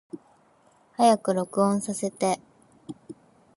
早く録音させて